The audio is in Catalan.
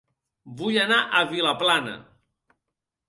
Vull anar a Vilaplana